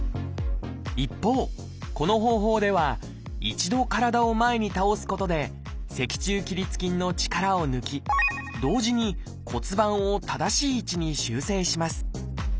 一方この方法では一度体を前に倒すことで脊柱起立筋の力を抜き同時に骨盤を正しい位置に修正します。